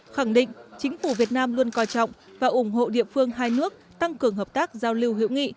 khẳng định chính phủ việt nam luôn coi trọng và ủng hộ địa phương hai nước tăng cường hợp tác giao lưu hữu nghị